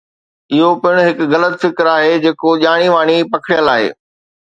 اهو پڻ هڪ غلط فڪر آهي جيڪو ڄاڻي واڻي پکڙيل آهي.